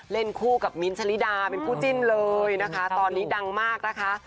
เล่นคู่กับมิ้นท์ชะลิดาเป็นคู่จิ้นเลยนะคะตอนนี้ดังมากนะคะ